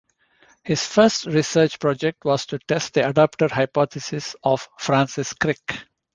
His first research project was to test the adaptor hypothesis of Francis Crick.